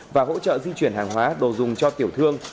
và hỗ trợ di chuyển hàng hóa đồ dùng cho tiểu thương